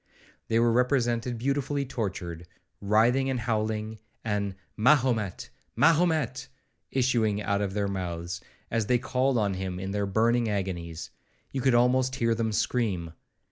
They were represented beautifully tortured, writhing and howling, and 'Mahomet! Mahomet!' issuing out of their mouths, as they called on him in their burning agonies;—you could almost hear them scream.